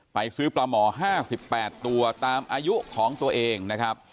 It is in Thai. ไปซื้อปลาหมอ๕๘ตัวตามอายุของตัวเองนะครับ